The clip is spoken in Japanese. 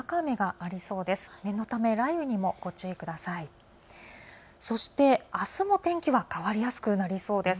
あすも天気は変わりやすくなりそうです。